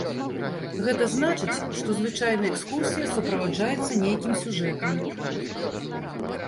Гэта значыць, што звычайная экскурсія суправаджаецца нейкім сюжэтам.